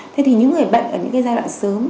thế thì những người bệnh ở những cái giai đoạn sớm